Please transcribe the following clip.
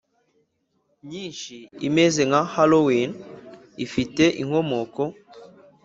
myinshi imeze nka Halloween ifite inkomoko